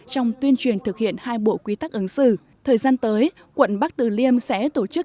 trong tuyên truyền thực hiện hai bộ quy tắc ứng xử thời gian tới quận bắc từ liêm sẽ tổ chức